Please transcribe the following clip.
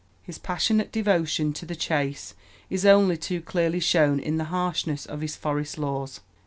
His passionate devotion to the chase is only too clearly shown in the harshness of his forest laws.